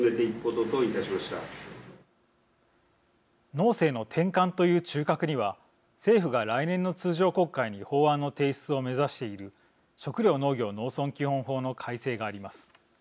農政の転換という中核には政府が来年の通常国会に法案の提出を目指している食料・農業・農村基本法の改正があります。